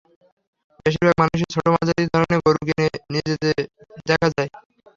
বেশির ভাগ মানুষকেই ছোট-মাঝারি ধরনের গরু কিনে নিয়ে যেতে দেখা যায়।